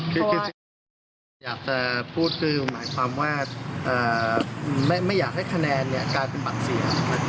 คือจริงอยากจะพูดคือหมายความว่าไม่อยากให้คะแนนกลายเป็นบัตรเสีย